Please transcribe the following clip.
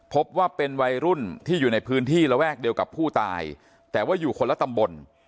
พบว่าเป็นวัยรุ่นที่อยู่ในพื้นที่ระแวกเดียวกับผู้ตายแต่ว่าอยู่คนละตำบล